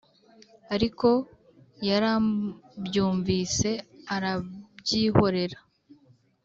ariko yarabyumvise arabyihorera,